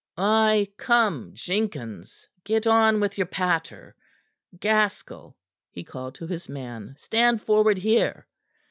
"Aye! Come, Jenkins. Get on with your patter. Gaskell," he called to his man, "stand forward here."